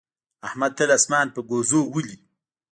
احمد تل اسمان په ګوزو ولي.